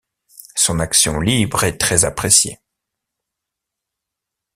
Son action libre est très appréciée.